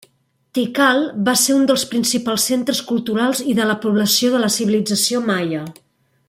Tikal va ser un dels principals centres culturals i de població de la civilització maia.